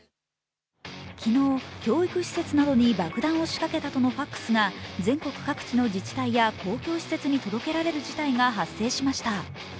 昨日、教育施設などに爆弾を仕掛けたとのファックスが全国各地の自治体や公共施設に届けられる事態が発生しました。